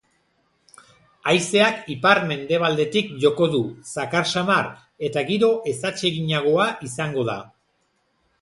Haizeak ipar-mendebaldetik joko du, zakar samar, eta giro ezatseginagoa izango da.